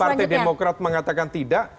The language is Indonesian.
partai demokrat mengatakan tidak